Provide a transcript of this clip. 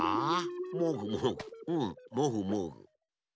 もぐもぐうんもぐもぐ。